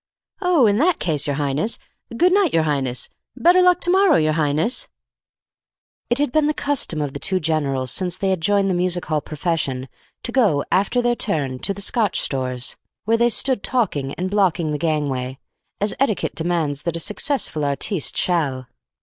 "Oh, in that case, your Highness, good night, your Highness! Better luck to morrow, your Highness!" It had been the custom of the two generals, since they had joined the music hall profession, to go, after their turn, to the Scotch Stores, where they stood talking and blocking the gangway, as etiquette demands that a successful artiste shall.